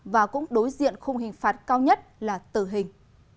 và cũng đối diện khung hình phạt cao nhất là tử hình